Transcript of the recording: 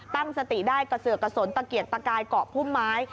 ตั้งสติได้กระเสือกกระสนตะเกียกตะกายเกาะพุ่มไม้